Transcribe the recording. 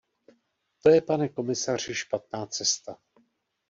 To je, pane komisaři, špatná cesta.